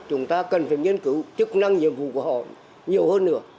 chúng ta cần phải nghiên cứu chức năng nhiệm vụ của họ nhiều hơn nữa